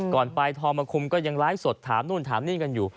ก่อนไปโทรมาคุมก็ยังไลฟ์สดถามนู่นถามนี่กันอยู่